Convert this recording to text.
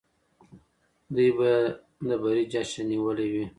دوی به د بري جشن نیولی وي.